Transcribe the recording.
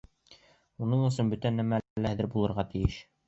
Уның өсөн бөтә нәмә лә әҙер булырға тейеш.